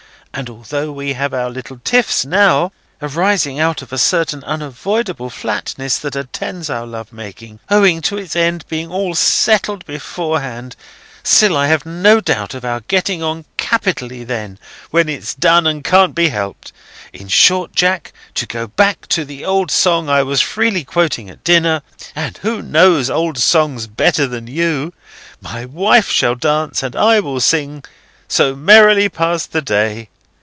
And although we have our little tiffs now, arising out of a certain unavoidable flatness that attends our love making, owing to its end being all settled beforehand, still I have no doubt of our getting on capitally then, when it's done and can't be helped. In short, Jack, to go back to the old song I was freely quoting at dinner (and who knows old songs better than you?), my wife shall dance, and I will sing, so merrily pass the day.